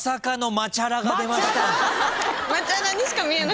「まちゃら」にしか見えなかった。